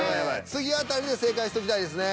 次辺りで正解しときたいですね。